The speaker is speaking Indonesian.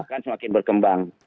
bahkan semakin berkembang